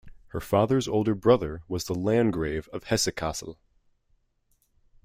Her father's older brother was the Landgrave of Hesse-Kassel.